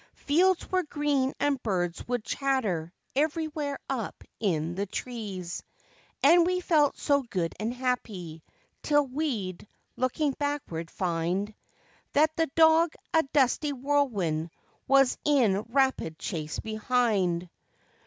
Fields were green and birds would chatter everywhere up in the trees. And we felt so good and happy, 'til we*d, looking backward, find That the dog, a dusty whirlwind, was in rapid chase behind.